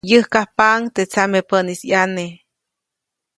Yäjkajpaʼuŋ teʼ tsamepäʼnis ʼyane.